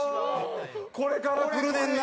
これから来るねんな。